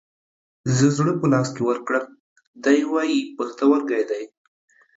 زه زړه په لاس کې ورکړم ، دى واي پښتورگى دى.